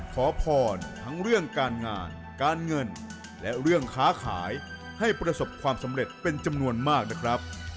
ขอพรทั้งเรื่องการงานการเงินและเรื่องค้าขายให้ประสบความสำเร็จเป็นจำนวนมากนะครับ